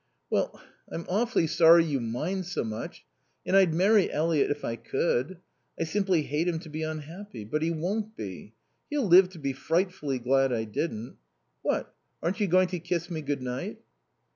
"Well, I'm awfully sorry you mind so much. And I'd marry Eliot if I could. I simply hate him to be unhappy. But he won't be. He'll live to be frightfully glad I didn't...What, aren't you going to kiss me good night?"